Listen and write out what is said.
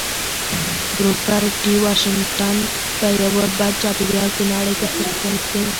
بروکر ټي واشنګټن په یوه بد چاپېريال کې نړۍ ته سترګې پرانيستې